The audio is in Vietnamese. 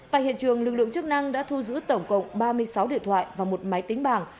tại hiện trường lực lượng chức năng đã thu giữ tổng cộng ba mươi sáu điện thoại và một máy tính bảng